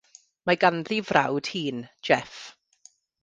Mae ganddi frawd hŷn, Jeff.